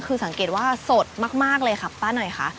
คือสังเกตว่าสดมากเลยค่ะป้าหน่อยค่ะ